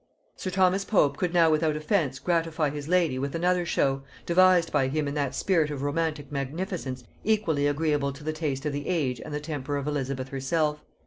Sir Thomas Pope could now without offence gratify his lady with another show, devised by him in that spirit of romantic magnificence equally agreeable to the taste of the age and the temper of Elizabeth herself.